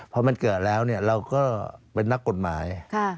พอมันเกิดแล้วเราก็เป็นนักกฎหมาย